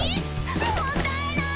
もったいない！